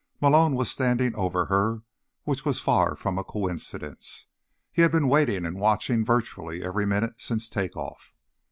Malone was standing over her, which was far from a coincidence; he had been waiting and watching virtually every minute since takeoff.